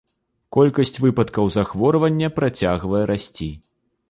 Колькасць выпадкаў захворвання працягвае расці.